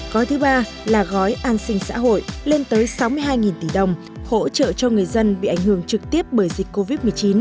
gói thứ ba là gói an sinh xã hội lên tới sáu mươi hai tỷ đồng hỗ trợ cho người dân bị ảnh hưởng trực tiếp bởi dịch covid một mươi chín